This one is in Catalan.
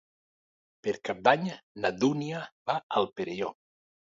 Per Cap d'Any na Dúnia va al Perelló.